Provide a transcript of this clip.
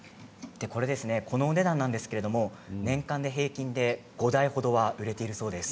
このお値段なんですけれども年間で平均で５台程売れているそうです。